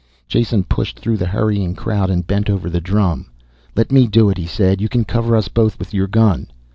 Jason pushed through the hurrying crowd and bent over the drum. "Let me do it," he said. "You can cover us both with your gun."